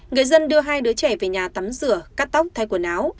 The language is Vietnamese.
người dân đưa hai đứa trẻ về nhà tắm rửa cắt tóc thay quần áo